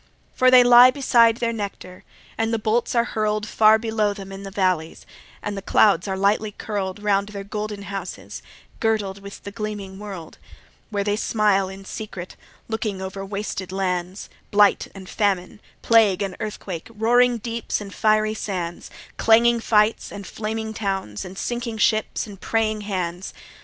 For they lie beside their nectar, and the bolts are hurl'd Far below them in the valleys, and the clouds are lightly curl'd Round their golden houses, girdled with the gleaming world: Where they smile in secret, looking over wasted lands, Blight and famine, plague and earthquake, roaring deeps and fiery sands, Clanging fights, and flaming towns, and sinking ships and praying hands.